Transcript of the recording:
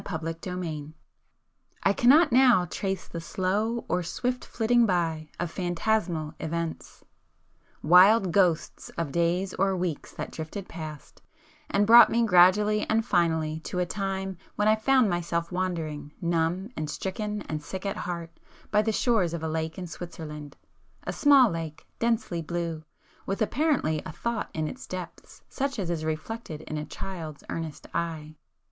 [p 300]XXVI I cannot now trace the slow or swift flitting by of phantasmal events, ... wild ghosts of days or weeks that drifted past, and brought me gradually and finally to a time when I found myself wandering, numb and stricken and sick at heart, by the shores of a lake in Switzerland,—a small lake, densely blue, with apparently a thought in its depths such as is reflected in a child's earnest eye.